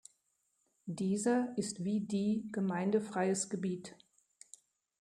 Dieser ist wie die gemeindefreies Gebiet.